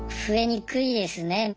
増えにくいですね。